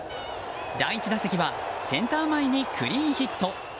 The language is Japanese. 第１打席は、センター前にクリーンヒット。